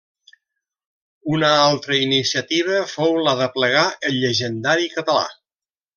Una altra iniciativa fou la d’aplegar el Llegendari català.